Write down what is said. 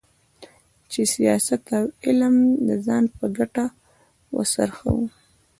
چې سیاست او علم د ځان په ګټه وڅرخوو.